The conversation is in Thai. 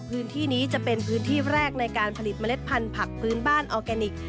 พื้นที่นี้จะเป็นพื้นที่แรกในการผลิตเมล็ดพันธุ์ผักพื้นบ้านออร์แกนิค